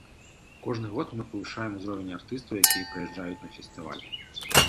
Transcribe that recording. Кожны год мы павышаем ўзровень артыстаў, якія прыязджаюць на фестываль.